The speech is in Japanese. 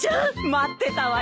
待ってたわよ。